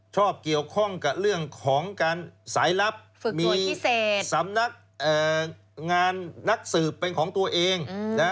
ชอบเกี่ยวข้องกับเรื่องของการสายลับมีสำนักงานนักสืบเป็นของตัวเอง